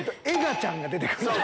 エガちゃんが出て来る。